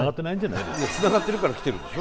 いやつながってるから来てるんでしょ？